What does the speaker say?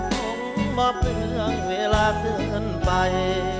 ผมหมอบเรื่องเวลาเกินไป